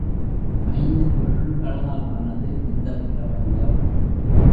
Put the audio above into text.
ஐந்து பொருள்களாலானது இந்தப் பிரபஞ்சம்.